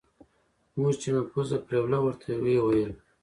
مور چې مې پزه پرېوله ورته ويې ويل.